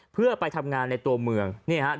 เพื่อไปทำงานในตัวเมืองนี่ฮะ